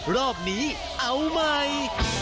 รอบนี้เอาใหม่